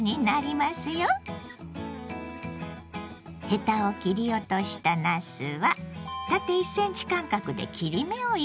ヘタを切り落としたなすは縦１ｃｍ間隔で切り目を入れます。